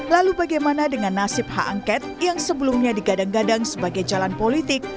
lalu bagaimana dengan nasib hak angket yang sebelumnya digadang gadang sebagai jalan politik